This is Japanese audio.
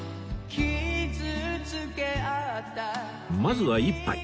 まずは一杯